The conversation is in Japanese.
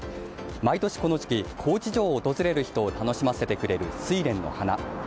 毎年この時期、高知城を訪れる人を楽しませてくれるスイレンの花。